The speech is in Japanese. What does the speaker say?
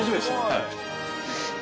はい。